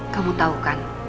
kamu tau kan